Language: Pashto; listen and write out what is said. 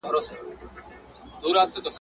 کرښه د باندي ایستلې چا ده.